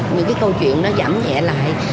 những cái câu chuyện nó giảm nhẹ lại